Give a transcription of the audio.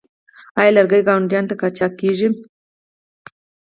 آیا لرګي ګاونډیو ته قاچاق کیږي؟